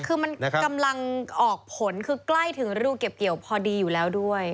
คือมันกำลังออกผลคือใกล้ถึงรูเก็บเกี่ยวพอดีอยู่แล้วด้วย